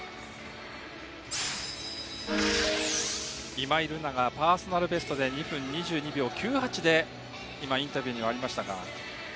今井月がパーソナルベストで２分２２秒９８で今インタビューにもありましたが。